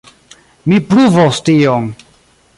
Mi pruvos tion.